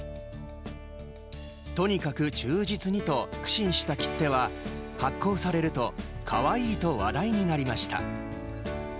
とにかく忠実にと苦心した切手は発行されるとかわいいと話題になりました。